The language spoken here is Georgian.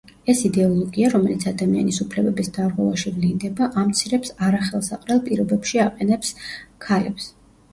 ეს იდეოლოგია, რომელიც ადამიანის უფლებების დარღვევაში ვლინდება, ამცირებს, არახელსაყრელ პირობებში აყენებს ქალებს.